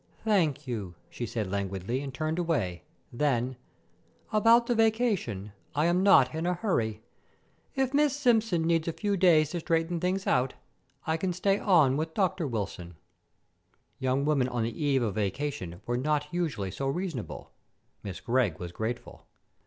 "Thank you," she said languidly, and turned away. Then: "About the vacation, I am not in a hurry. If Miss Simpson needs a few days to straighten things out, I can stay on with Dr. Wilson." Young women on the eve of a vacation were not usually so reasonable. Miss Gregg was grateful.